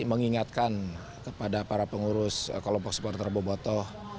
mengingatkan kepada para pengurus kolompok supporter boboto